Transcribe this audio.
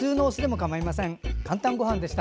「かんたんごはん」でした。